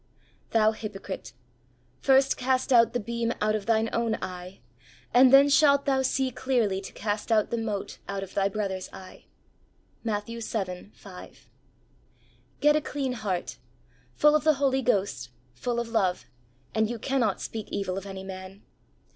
Thou hypocrite, first cast out the beam out of thine own eye, and then shalt thou see clearly to cast out the mote out of thy brother's eye" {Matt, vii. 5). Get a clean heart, full of the Holy Ghost, full of love, and you cannot speak evil of any man.